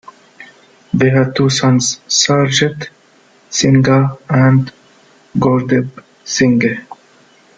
They had two sons, Sarjit Singh and Gurdip Singh.